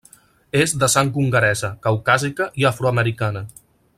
És de sang hongaresa, caucàsica i afroamericana.